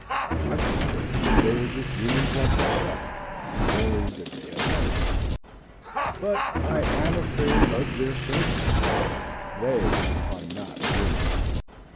I suspect that they are just humans like myself, only that they have money. But I am afraid of their servants. They are not human.